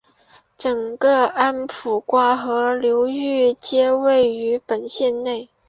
整个安普瓜河流域皆位于本县内。